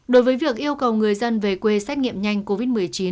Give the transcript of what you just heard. đối với việc yêu cầu người dân về quê xét nghiệm nhanh covid một mươi chín